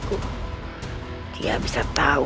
kau sendiri bisa hitam